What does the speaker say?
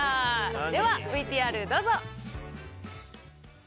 では、ＶＴＲどうぞ。